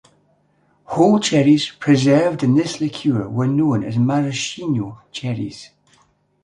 Whole cherries preserved in this liqueur were known as maraschino cherries.